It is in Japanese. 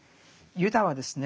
ユダはですね